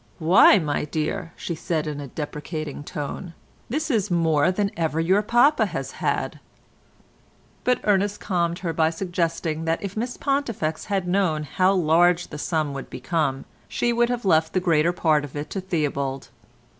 "Why, my dear," she said in a deprecating tone, "this is more than ever your papa has had"; but Ernest calmed her by suggesting that if Miss Pontifex had known how large the sum would become she would have left the greater part of it to Theobald.